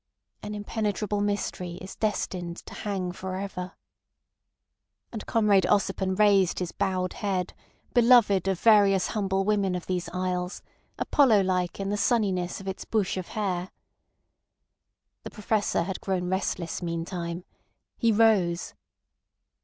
"An impenetrable mystery is destined to hang for ever. ..." And Comrade Ossipon raised his bowed head, beloved of various humble women of these isles, Apollo like in the sunniness of its bush of hair. The Professor had grown restless meantime. He rose.